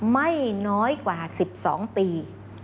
ไม่น้อยกว่า๑๒ปี